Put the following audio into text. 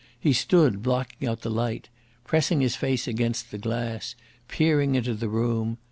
He stood blocking out the light, pressing his face against the glass, peering into the room.